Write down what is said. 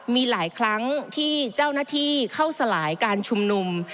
มีหลายครั้งที่เจ้าหน้าที่เข้าสลายการชุมนุม